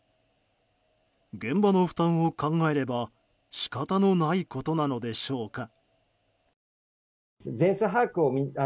現場の負担を考えれば仕方のないことなのでしょうか。